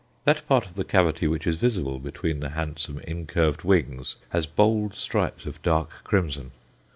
That part of the cavity which is visible between the handsome incurved wings has bold stripes of dark crimson.